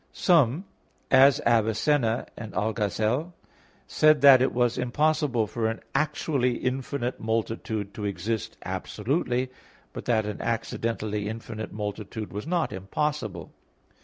Some, as Avicenna and Algazel, said that it was impossible for an actually infinite multitude to exist absolutely; but that an accidentally infinite multitude was not impossible.